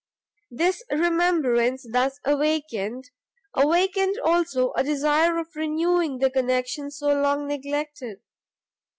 This remembrance thus awakened, awakened also a desire of renewing the connection so long neglected.